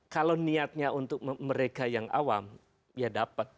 kalau niatnya untuk mereka yang awam ya dapat